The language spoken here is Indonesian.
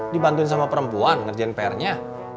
dibantuin sama perempuan ngerjain prnya